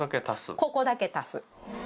ここだけ足す。